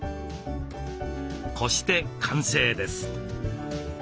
こして完成です。